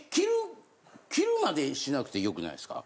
着るまでしなくてよくないですか？